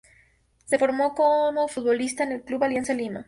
Se formó como futbolista en el Club Alianza Lima.